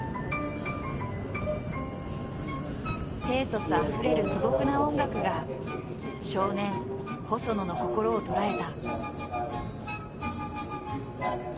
ペーソスあふれる素朴な音楽が少年細野の心を捉えた。